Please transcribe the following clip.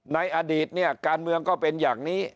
ในอดีตเนี่ยการเมืองก็เป็นอย่างนี้